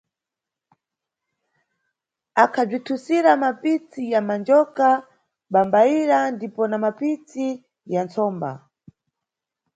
Akhabzithusira mapitsi ya manjoka, bambayira ndipo na mapitsi ya ntsomba.